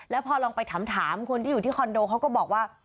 แล้วพอลองไปถามคนที่อยู่ที่คอนโดเขาก็บอกว่า